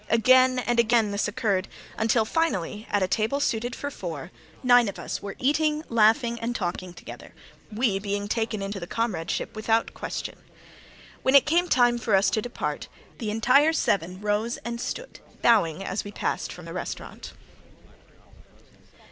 Again and again this occurred until finally at a table suited for four, nine of us were eating, laughing, and talking together, we being taken into the comradeship without question. When it came time for us to depart the entire seven rose and stood, bowing as we passed from the restaurant.